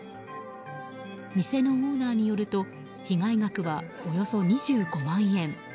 店のオーナーによると被害額はおよそ２５万円。